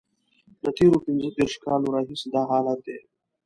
له تېرو پنځه دیرشو کالو راهیسې دا حالت دی.